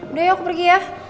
udah yuk aku pergi ya